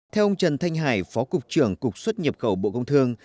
theo ông trần thanh hải phó cục trưởng cục xuất nhập khẩu bộ công thương